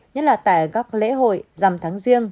nhất là tại góc lễ hội rằm tháng riêng